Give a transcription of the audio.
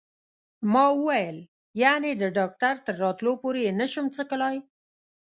ما وویل: یعنې د ډاکټر تر راتلو پورې یې نه شم څښلای؟